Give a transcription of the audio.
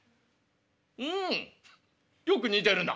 「うんよく似てるな」。